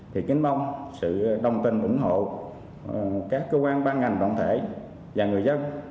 thì kính mong sự đồng tình ủng hộ các cơ quan ban ngành đoàn thể và người dân